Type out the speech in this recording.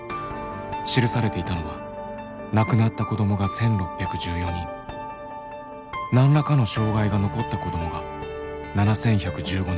記されていたのは亡くなった子どもが１，６１４人何らかの障害が残った子どもが７，１１５人。